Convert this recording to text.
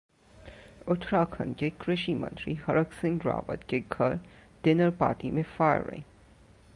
उत्तराखंड के कृषि मंत्री हरक सिंह रावत के घर डिनर पार्टी में फायरिंग